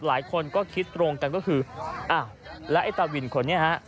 หลายคนก็คิดตรงกันก็คืออ้าวแล้วไอ้ตาวินคนนี้ฮะ